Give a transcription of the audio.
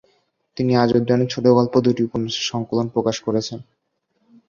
তিনি আজ অবধি অনেক ছোটগল্প ও দুটি উপন্যাসের সংকলন প্রকাশ করেছেন।